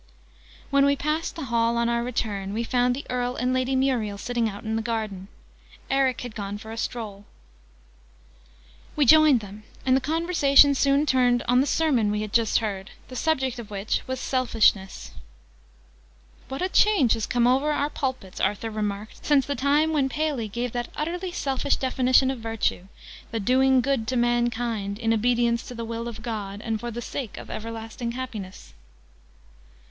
When we passed the Hall on our return, we found the Earl and Lady Muriel sitting out in the garden. Eric had gone for a stroll. We joined them, and the conversation soon turned on the sermon we had just heard, the subject of which was 'selfishness.' "What a change has come over our pulpits," Arthur remarked, "since the time when Paley gave that utterly selfish definition of virtue, 'the doing good to mankind, in obedience to the will of God, and for the sake of everlasting happiness'!"